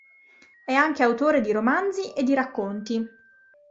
E'anche autore di romanzi e di racconti.